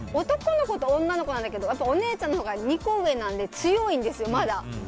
男の子と女の子なんだけどやっぱお姉ちゃんのほうが２個上なので強いんですよ、まだ。